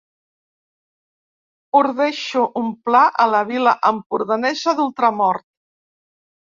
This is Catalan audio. Ordeixo un pla a la vila empordanesa d'Ultramort.